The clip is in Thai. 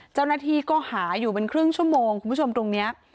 เจ้าหน้าที่ก็หาอยู่เป็นครึ่งชั่วโมงคุณผู้ชมตรงนี้